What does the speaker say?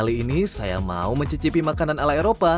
kali ini saya mau mencicipi makanan ala eropa